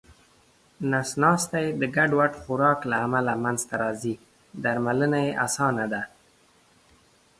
نس ناستی د ګډوډ خوراک له امله منځته راځې درملنه یې اسانه ده